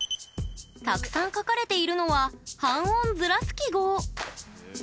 たくさん書かれているのは半音ずらす記号。